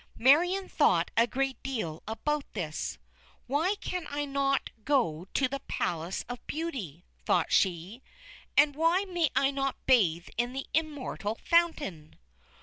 Marion thought a great deal about this. "Why can I not go to the Palace of Beauty?" thought she. "And why may I not bathe in the Immortal Fountain?"